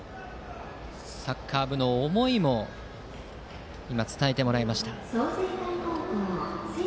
サッカー部の思いも今、伝えてもらいました。